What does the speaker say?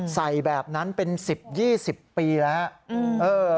ใส่แบบนั้นเป็น๑๐๒๐ปีแล้ว